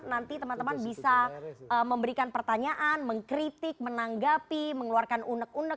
nanti teman teman bisa memberikan pertanyaan mengkritik menanggapi mengeluarkan unek unek